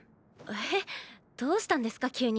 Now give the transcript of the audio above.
えぇ⁉どうしたんですか急に。